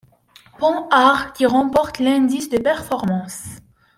Panhard qui remporte l’indice de performance.